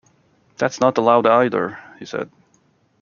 "That's not allowed either," he said.